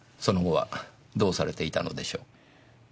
その後はどうされていたのでしょう？